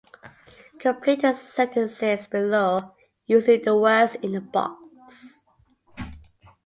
Complete the sentences below using the words in the box.